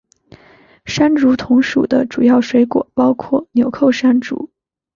山竹同属的主要水果包括钮扣山竹。